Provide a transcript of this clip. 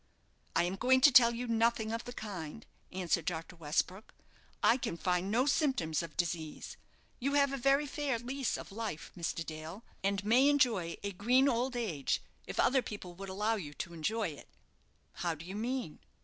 "I am going to tell you nothing of the kind," answered Dr. Westbrook. "I can find no symptoms of disease. You have a very fair lease of life, Mr. Dale, and may enjoy a green old age, if other people would allow you to enjoy it." "How do you mean?"